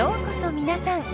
皆さん。